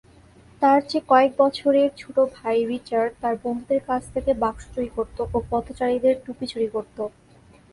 তার চেয়ে কয়েক বছরের ছোট ভাই রিচার্ড তার বন্ধুদের কাছ থেকে বাক্স চুরি করত ও পথচারীদের টুপি চুরি করত।